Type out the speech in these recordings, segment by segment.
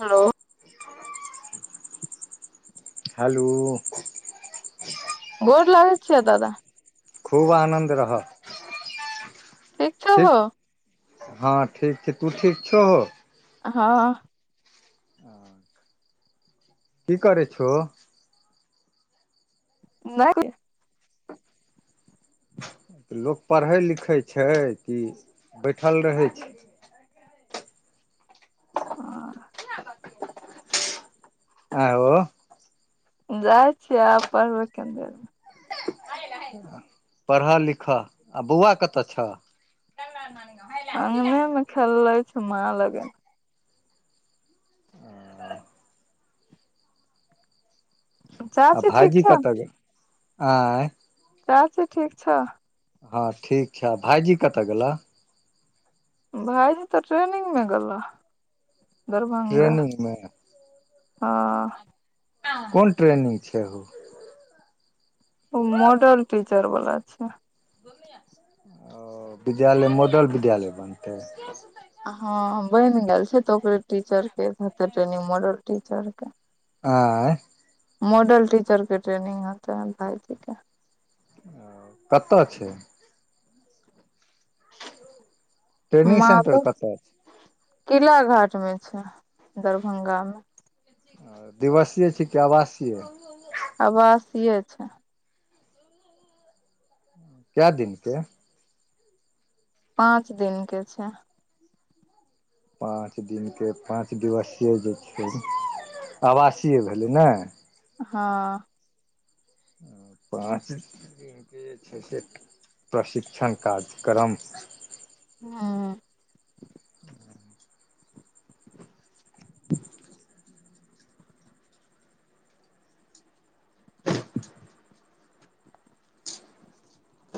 Hello hello गोर लागै छियो दादा खूब आनन्द रह ठीक छहो हँ ठीक छी तू ठीक छहो हँ [inaudible] की करै छहो नहि [unintelligible] लोक पढ़ै लिखे छै कि बैठल रहै छै आर [inaudible] आँय हो जाइ छियै आब पढ़बै कनि देरमे [unintelligible] पढ़ऽ लिखऽ आ बौआ कतऽ छह [unintelligible] अंँगने मे खेलै छै माँ लगन आ चाची ठीक भाइजी छौ कतऽ गेल आँय चाची ठीक छ हँ ठीक छै आ भाइजी कतऽ गेल भाइजी तऽ ट्रेनिंगमे गेल दरभंगा ट्रेनिंग मे हँ कोन ट्रेनिंग छै हो ओ मॉडल टीचर वाला छै ओ विद्यालय मॉडल विद्यालय बनतै हँ बनि गेल छै तऽ ओकरे टीचर के हेते ट्रेनिंग मॉडल टीचर के आँय मॉडल टीचर के ट्रेनिंग हेतै भाइजी के कतऽ छै ट्रेनिंग सेंटर माधव कतऽ किला घाटमे छै दरभंगामे दिवसीय छै कि आवासीय आबासीय छै कै दिन के पाँच दिन के छै पाँच दिनके पाँच दिवसीय जे छै आवासीय भेलै ने हँ पाँच दिन के [unintelligible] जे छै से प्रशिक्षण कार्यक्रम हूंम्म [inaudible] [inaudible]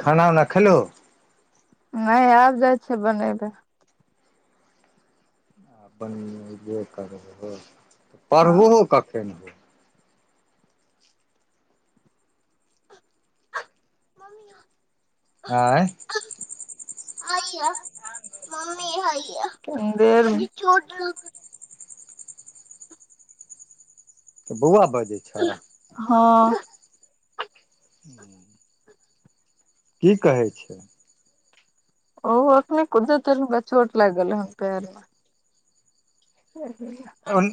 खाना उना खेलहो नहि आब जाइ छियै बनेबे [unintelligible] बनबे करबहो तऽ पढ़बहो हँ कखैन। मम्मी [unintelligible] आँय मामी हइया [unintelligible] तऽ बौआ बजै छ हँ ह [inaudible] की कहै छै ओ अखने कुदलै तनिका चोट लागि गैलैहन पैरमे [unintelligible] अन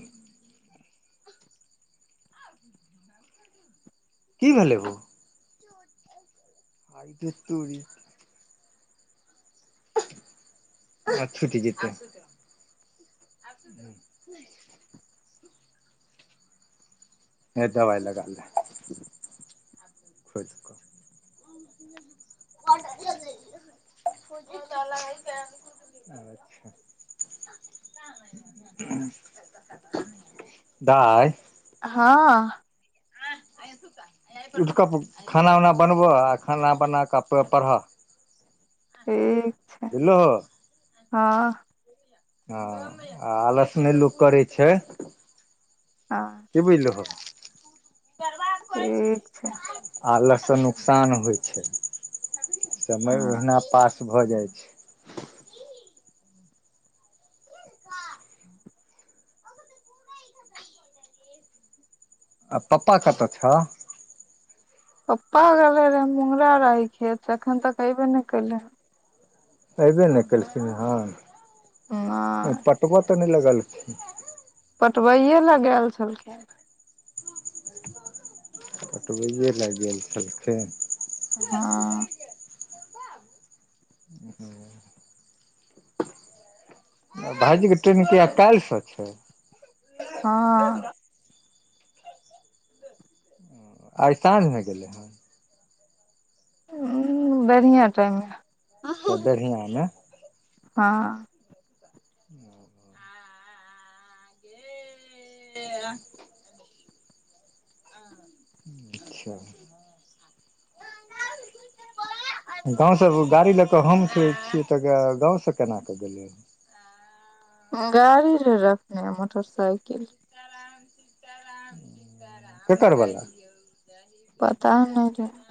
की भेलै हो आहिरे तोरी आब छुटि जेतै ह [inaudible] [inaudible] हे दबाइ लगा ले [unintelligible] [unintelligible] खुजव [unintelligible] दाइ हँ [unintelligible] खाना उना बनबह आ खाना बना कऽ पढ़ऽ ठीक छै बुझलहो हँ हँ आ आलस नहि लोक करै छै हँ की बुझलहो ठीक छै आलसँ नुकसान होइ छै समय हँ ओहिना पास भऽ जाइ छै आ पप्पा कतऽ छ पप्पा गेलै रहै मुंगरा राही खेत से एखन तक अइबे नहि कैलै हन अऐबे नहि केलखिन हँ नहि पटब तऽ नहि लगलखिन पटबैए ले गेल छलखिन पटबैए लए गेल छलखिन हँ ह [inaudible] भाइजी के ट्रेनिंग कहिया काल्हिसँ छौ हँ आइ साँझमे गेलै हन उंम्म बेड़ीया टाइममे सब बढ़ियाँ ने हँ [inaudible] ले आ [unintelligible] अच्छा [inaudible] गाँव सँ गाड़ी लऽ कऽ हम छियै तऽ गाँव से केना कऽ गेलै गाड़ी रहै रखने मोटरसाइकिल केकर बला पता नहि केकर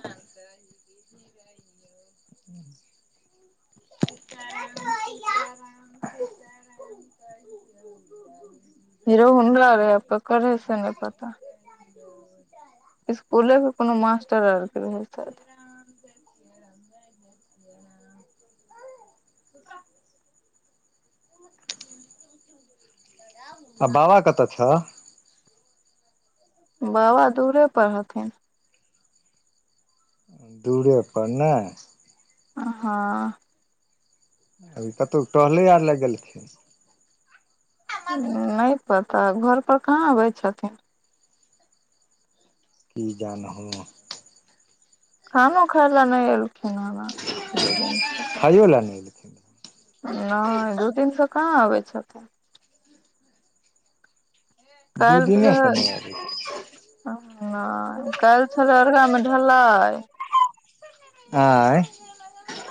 ह [unintelligible] [unintelligible] [unintelligible] स्कुले के कोनो मास्टर आर के रहे छथि [unintelligible] आ बाबा कतऽ छ बाबा दूरे पर हथिन दूरे पर नै आ‌ हँ अभी कतहु टहले आर लग गेलखिन नहि पता घर पर कहाँ आबै छथिन की जान गेलौ खानो खाय ल नहि एलखिन ह खायो ल नहि एलखिन नहि दू दिन से कहाँ अबै छथिन दू काल्हि दिनेसँ रहे नहि आब काल्हि छलै अर्गा मे ढलाई आयं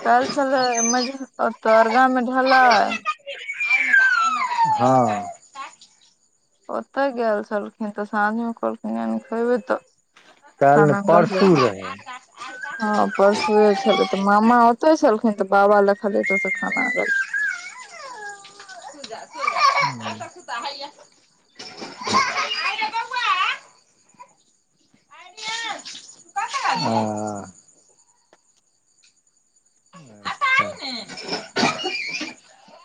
काल्हि छले अरगा मे ढलाई हँ ओतय गेल छलखिन तऽ साँझमे कहलखिन खेबै तऽ काल्हि ने खान द परसू देब रहै हँ परसुए छले तऽ मामा ओते छलखिन तऽ बाबा ल खाली ओत से खाना गेलै [unintelligible] दोसर कुत्ता हैया आ [unintelligible]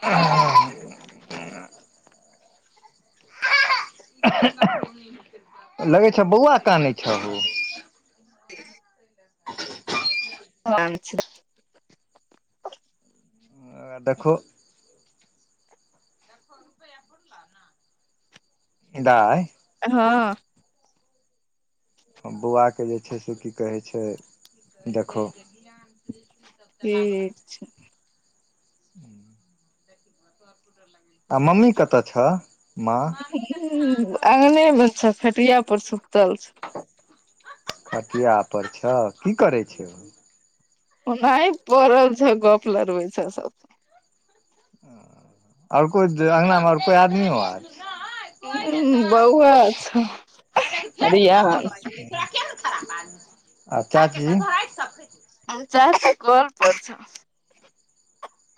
ह [unintelligible] लगै छ बौआ कानै छ ओ ह [unintelligible] दखौ [unintelligible] दाय हँ बौआके जे छै से की कहै छै देखहो ठीक छै [unintelligible] [unintelligible] आ मम्मी कतय छह माँ अंगने मे छ फेटिया पर सुतल छ पटिया पर छ की करै छै ओ ओनाही पड़ल छ गप लड़बै छ सब आओर कोइ अङगनामे आर कोइ आदमियो आर ह बौअ छी रियांश आ चाची चाची कल पड़ छ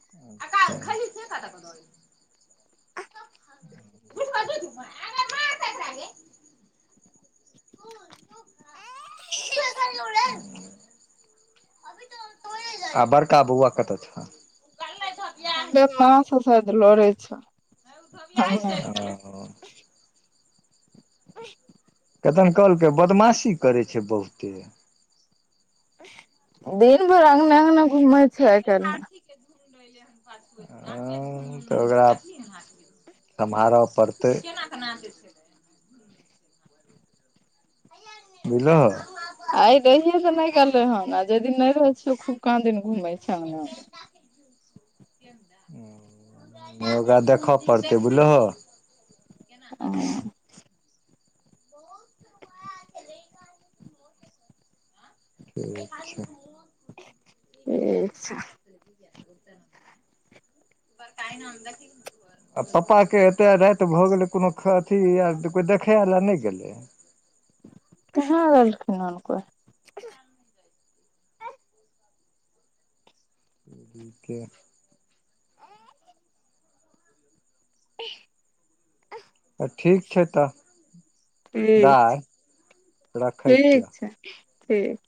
[unintelligible] [unintelligible] [unintelligible] आ बड़का बौआ कत छ शायद लड़ै छ अंगना [unintelligible] [unintelligible] तखन कहलकै बदमाशी करे छै बहुते दिन भरि अंगना अंगना घूमेय छै आइ काल्हि मे ह तऽ ओकरा सम्हार पड़तै बुझल ह आइ रहिये तऽ नहि गेलै हन आ जेहि दिन नहि रहै छियौ खूब काँ दिन घुमै छ हम ओकरा देखऽ पड़तै बुझलहो ह ठीक छै ठीक छै [unintelligible] आ पापा के एते राति भऽ गेलै कोनो अथी आ कोई देखय ला नहि गेलै कहाँ गेलखिन हन कोइ ठीके छै ठीक [unintelligible] छै तऽ ठीक दाइ रखै छियह ठीक छै ठीक